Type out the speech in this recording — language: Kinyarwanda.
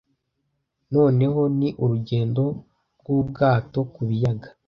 noneho ni urugendo rw'ubwato ku biyaga